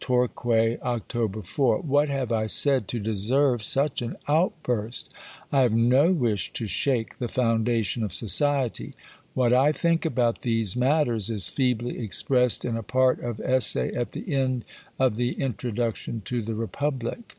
_) TORQUAY, Oct. 4.... What have I said to deserve such an outburst? I have no wish to shake the foundation of Society. What I think about these matters is feebly expressed in a part of Essay at the end of the introduction to the Republic.